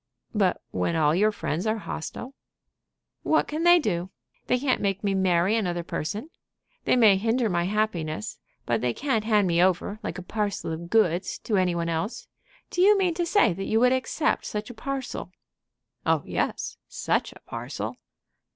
"But when all your friends are hostile?" "What can they do? They can't make me marry another person. They may hinder my happiness; but they can't hand me over, like a parcel of goods, to any one else. Do you mean to say that you would accept such a parcel?" "Oh yes such a parcel!"